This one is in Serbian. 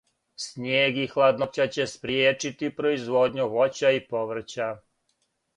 Снијег и хладноћа ће спријечити производњу воћа и поврћа